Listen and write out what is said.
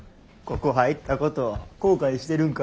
ここ入ったこと後悔してるんか？